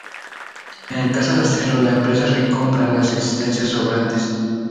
En el caso de hacerlo la empresa recompra las existencias sobrantes.